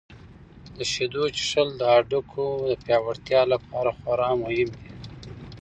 د شیدو څښل د هډوکو د پیاوړتیا لپاره خورا مهم دي.